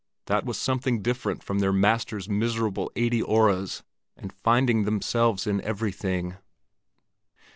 That was something different from their master's miserable eighty öres and finding themselves in everything.